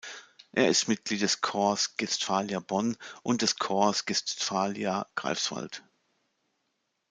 Er ist Mitglied des Corps Guestphalia Bonn und des Corps Guestfalia Greifswald.